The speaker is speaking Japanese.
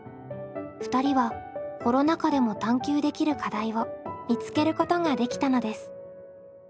２人はコロナ禍でも探究できる課題を見つけることができたのです。